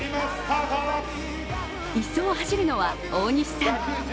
１走を走るのは大西さん。